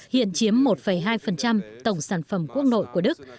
hiện chiếm một hai tổng sản phẩm quốc nội của đức